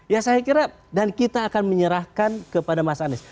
ya saya kira dan kita akan menyerahkan kepada mas anies